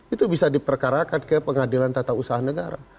itu bisa diperkarakan ke pengadilan tata usaha negara